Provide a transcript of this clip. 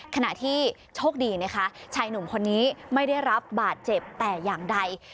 ขณะที่โชคดีนะคะชายหนุ่มคนนี้ไม่ได้รับบาดเจ็บแต่อย่างใด